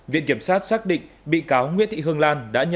viện kiểm sát xác định bị cáo nguyễn thị hương lan